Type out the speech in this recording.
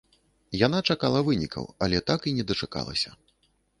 Яна чакала вынікаў, але так і не дачакалася.